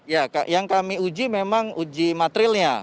ya yang kami uji memang uji materinya